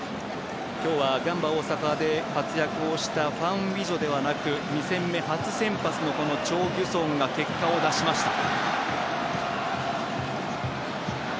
今日はガンバ大阪で活躍をしたファン・ウィジョではなく２戦目初先発のチョ・ギュソンが結果を出しました。